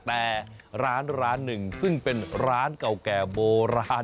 แต่ร้านร้านหนึ่งซึ่งเป็นร้านเก่าแก่โบราณ